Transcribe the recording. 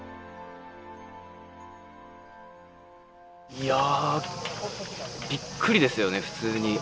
いやびっくりですよね普通に。